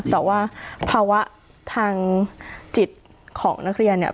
แต่ว่าภาวะทางจิตของนักเรียนเนี่ย